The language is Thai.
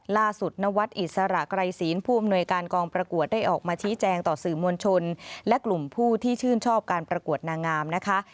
นวัดอิสระไกรศีลผู้อำนวยการกองประกวดได้ออกมาชี้แจงต่อสื่อมวลชนและกลุ่มผู้ที่ชื่นชอบการประกวดนางงามนะคะ